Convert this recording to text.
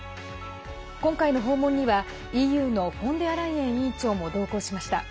今回の訪問には、ＥＵのフォンデアライエン委員長も同行しました。